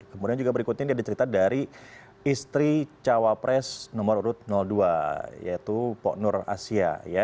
kemudian juga berikutnya ini ada cerita dari istri cawapres nomor urut dua yaitu pok nur asia